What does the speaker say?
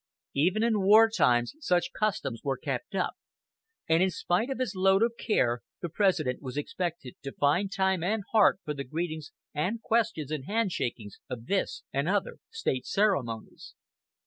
Even in war times such customs were kept up, and in spite of his load of care, the President was expected to find time and heart for the greetings and questions and hand shakings of this and other state ceremonies.